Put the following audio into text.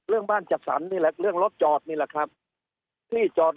เรื่องบ้านจัดสรรนี่แหละเรื่องรถจอดนี่แหละครับที่จอด